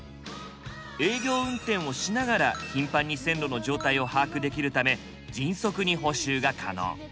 営業運転をしながら頻繁に線路の状態を把握できるため迅速に補修が可能。